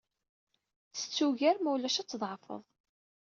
Ttett ugar ma ulac ad tḍeɛfeḍ!